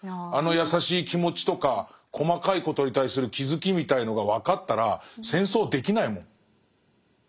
あの優しい気持ちとか細かいことに対する気付きみたいのが分かったら戦争できないもん。